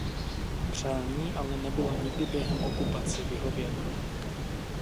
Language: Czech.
Přání ale nebylo nikdy během okupace vyhověno.